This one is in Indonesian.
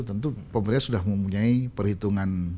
tentu pemerintah sudah mempunyai perhitungan